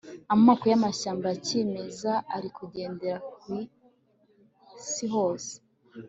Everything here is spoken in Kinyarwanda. amoko y'amashyamba ya kimeza ari gukendera ku isi hose